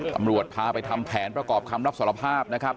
ตำรวจพาไปทำแผนประกอบคำรับสารภาพนะครับ